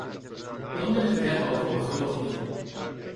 Dan wil ik het hebben over begrotingen.